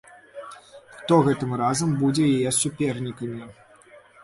Хто гэтым разам будзе яе супернікамі?